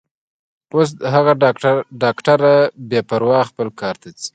اوس هغه ډاکټره بې پروا خپل کار ته ځي.